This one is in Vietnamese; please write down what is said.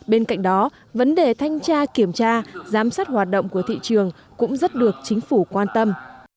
bên cạnh đó vấn đề thanh tra kiểm tra giám sát hoạt động của thị trường cũng rất được chính phủ quan tâm